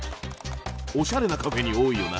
おしゃれなカフェに多いよな。